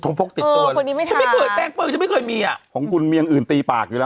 ตากลูกมันจะเลือดเลือดตลอดเวลา